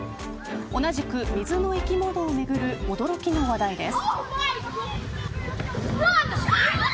同じく水の生き物をめぐる驚きの話題です。